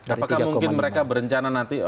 apakah mungkin mereka berencana nanti